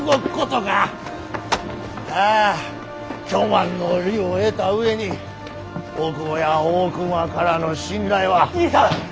あ巨万の利を得た上に大久保や大隈からの信頼は。